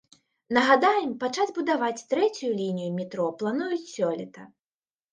Нагадаем, пачаць будаваць трэцюю лінію метро плануюць сёлета.